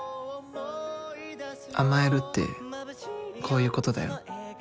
「甘える」ってこういうことだよ。